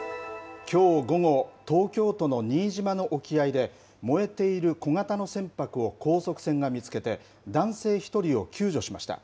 きょう午後、東京都の新島の沖合で、燃えている小型の船舶を高速船が見つけて、男性１人を救助しました。